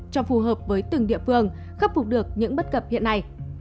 cho phù hợp với từng địa phương khắc phục được những bất cập hiện nay